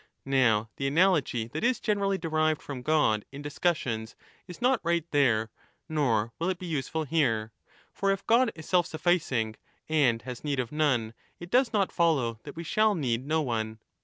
Now the analogy that is generally derived from God in discussions is not right there, 35 nor will it be useful here. For if God is self sufficing and has need of none, it does not follow that we shall need no one.